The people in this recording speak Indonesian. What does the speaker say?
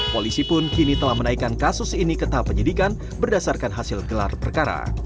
polisi pun kini telah menaikkan kasus ini ke tahap penyidikan berdasarkan hasil gelar perkara